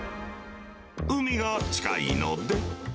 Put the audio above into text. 海が近いので。